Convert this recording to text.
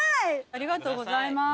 ありがとうございます。